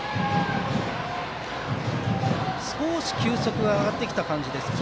少し球速が上がってきた感じですか？